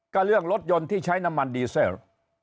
ก็เรื่องรถยนต์ที่ใช้น้ำมันดีเซล